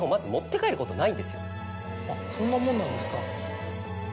そんなものなんですか。